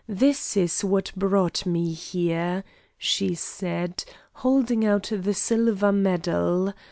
This is what brought me here," she said, holding out the silver medal.